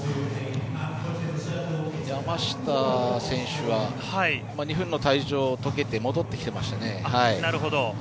山下選手は２分の退場が解けて戻ってきてましたよね。